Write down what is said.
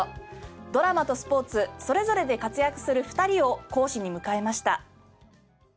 ドラマとスポーツそれぞれで活躍する２人を講師に迎えました。